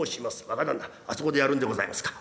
「若旦那あそこでやるんでございますか。